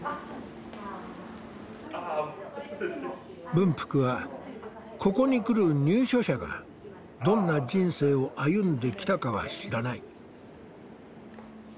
文福はここに来る入所者がどんな人生を歩んできたかは知らない。